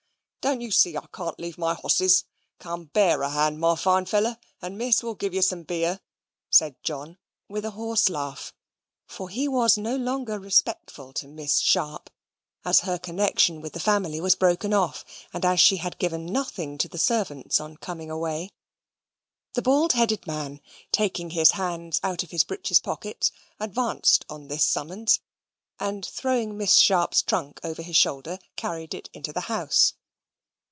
"Don't you see I can't leave my hosses? Come, bear a hand, my fine feller, and Miss will give you some beer," said John, with a horse laugh, for he was no longer respectful to Miss Sharp, as her connexion with the family was broken off, and as she had given nothing to the servants on coming away. The bald headed man, taking his hands out of his breeches pockets, advanced on this summons, and throwing Miss Sharp's trunk over his shoulder, carried it into the house.